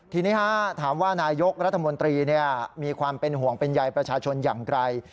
ทีนี้ถามว่านายกรัฐมนตรีมีความเป็นห่วงเป็นใยประชาชนอย่างไกล